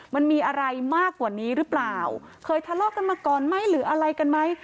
มันมีอะไรมากกว่านี้หรือเปล่าเคยทะเลาะกันมาก่อนไหมหรืออะไรกันไหม